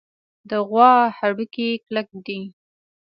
د غوا هډوکي کلک دي.